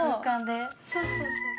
そうそうそうそう